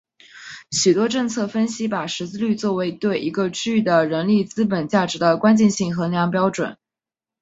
许多政策分析把识字率作为对一个区域的人力资本价值的关键性衡量标准。